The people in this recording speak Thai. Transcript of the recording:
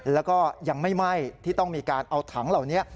แล้วก็ยังไม่ไหม้ที่ต้องมีการเอาถังเหล่านี้